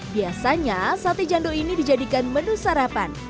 biasanya sate jando ini dijadikan menu sarapan